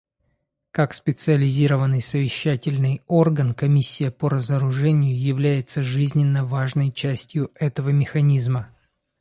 Как специализированный совещательный орган, Комиссия по разоружению является жизненно важной частью этого механизма.